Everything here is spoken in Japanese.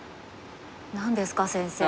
何ですか先生。